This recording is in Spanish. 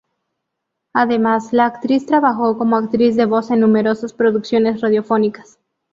Además, la actriz trabajó como actriz de voz en numerosas producciones radiofónicas.